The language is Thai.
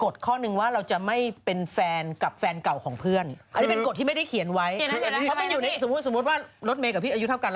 แต่ว่าผู้ชายก็เหมือนกันเอาจริงไม่ใช่แค่ผู้หญิง